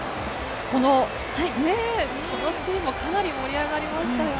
このシーンもかなり盛り上がりましたよね。